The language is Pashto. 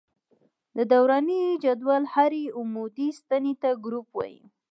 د دوراني جدول هرې عمودي ستنې ته ګروپ وايي.